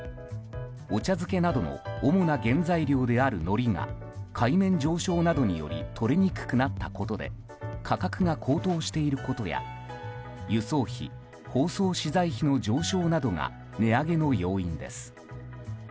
お茶漬けなどの主な原材料であるのりが海面上昇などによりとれにくくなったことで価格が高騰していることや輸送費・包装資材費の上昇などが値上げの要因です。